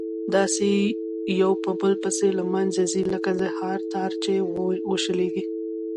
داسي يو په بل پسي له منځه ځي لكه د هار تار چي وشلېږي